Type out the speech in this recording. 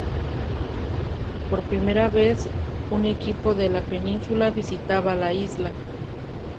Por primera vez un equipo de la Península visitaba la Isla.